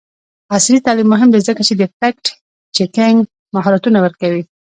عصري تعلیم مهم دی ځکه چې د فکټ چیکینګ مهارتونه ورکوي.